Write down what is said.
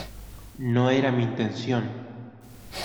No era mi intención.